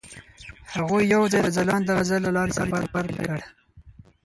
هغوی یوځای د ځلانده غزل له لارې سفر پیل کړ.